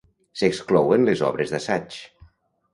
S'exclouen les obres d'assaig.